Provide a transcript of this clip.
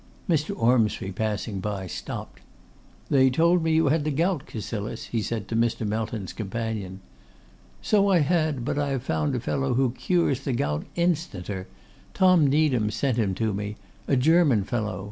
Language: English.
Mr. Ormsby, passing by, stopped. 'They told me you had the gout, Cassilis?' he said to Mr. Melton's companion. 'So I had; but I have found out a fellow who cures the gout instanter. Tom Needham sent him to me. A German fellow.